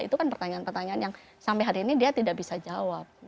itu kan pertanyaan pertanyaan yang sampai hari ini dia tidak bisa jawab